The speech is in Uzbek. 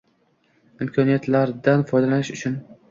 Imkoniyatdan foydalanish uchun